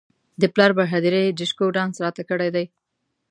د پلار پر هدیره یې ډیشکو ډانس راته کړی دی.